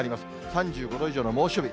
３５度以上の猛暑日。